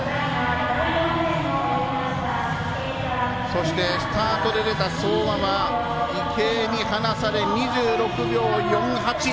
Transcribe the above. そして、スタートで出た相馬は池江に離され２６秒４８。